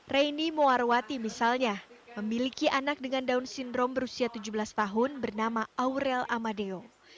raini muarwati misalnya memiliki anak dengan down syndrome berusia tujuh belas tahun bernama aurel amadeo